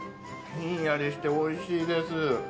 ひんやりしておいしいです。